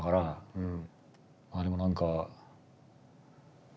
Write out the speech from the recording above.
うん。